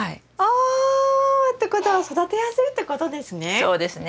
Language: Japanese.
お！ってことは育てやすいってことですね？